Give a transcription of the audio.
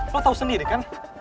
lo tau sendiri kan